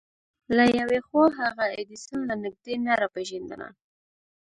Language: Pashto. له يوې خوا هغه ايډېسن له نږدې نه پېژانده.